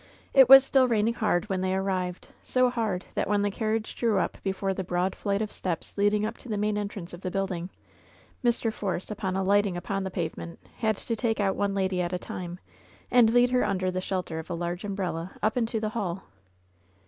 It was still raining hard, when they arrived — so hard that when the carriage drew up before the broad flight of steps leading up to the main entrance of the building. LOVE'S BITTEREST CUP 107 Mr. Force, upon alighting upon the pavement, had to take out one lady at a time, and lead her under the shel ter of a large umbrella up into the hall.